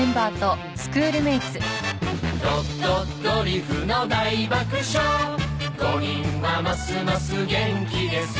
「ド・ド・ドリフの大爆笑５人はますます元気です」